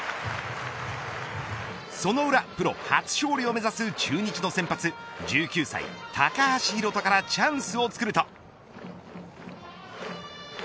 その裏、プロ初勝利を目指す中日の先発１９歳高橋宏斗からチャンスを作ると。